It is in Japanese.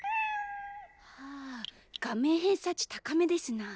はぁ顔面偏差値高めですなあ。